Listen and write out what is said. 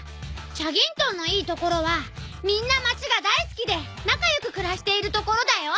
チャギントンのいいところはみんなまちがだいすきでなかよくくらしているところだよ。